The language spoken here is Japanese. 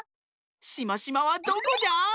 しましまはどこじゃ？